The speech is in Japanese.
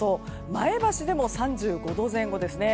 前橋でも３５度前後ですね。